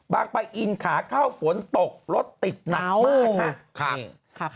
ปะอินขาเข้าฝนตกรถติดหนักมากค่ะ